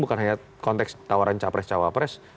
bukan hanya konteks tawaran capres cawapres